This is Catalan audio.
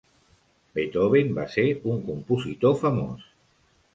Beethoven va ser un compositor famós.